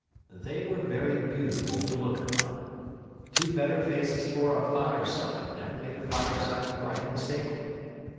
They were very beautiful to look upon. Two better faces for a fireside, never made a fireside bright and sacred.